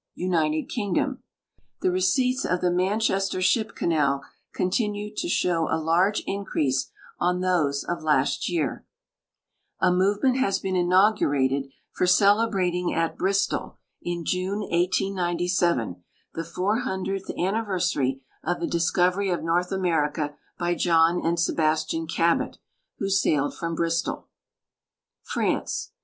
United Kingdom. The receipts of the Manchester ship canal continue to show a large increase on those of last year. GEOGRAPHIC NOTES olo A movement has been inaugurated for celebrating at Bristol, in June, 1897, the 400th anniversarj' of the discovery of North America by John and Sebastian Cabot, who sailed from Bristol. Franck.